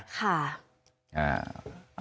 ค่ะ